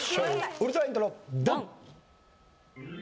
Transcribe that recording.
ウルトライントロドン！